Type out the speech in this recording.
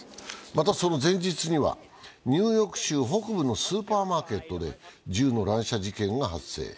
また、その前日にはニューヨーク州北部のスーパーマーケットで銃の乱射事件が発生。